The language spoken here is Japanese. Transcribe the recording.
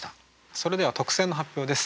それでは特選の発表です。